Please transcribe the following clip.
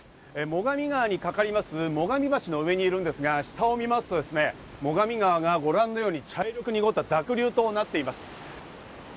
最上川にかかります最上橋の上にいるんですが、下を見ますと最上川がご覧のように茶色く濁った濁流となっています。